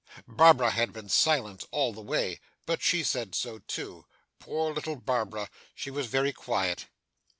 Barbara had been silent all the way, but she said so too. Poor little Barbara! She was very quiet.